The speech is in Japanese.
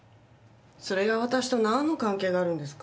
それが私と何の関係があるんですか？